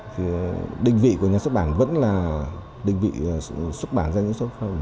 thì định vị của nhà xuất bản vẫn là định vị xuất bản ra những tác phẩm có chất lượng cao